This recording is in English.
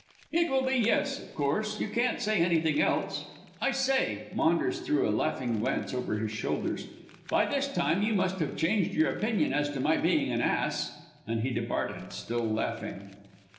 "It will be 'yes,' of course; you can't say anything else. I say" Maunders threw a laughing glance over his shoulder "by this time you must have changed your opinion as to my being an ass," and he departed still laughing.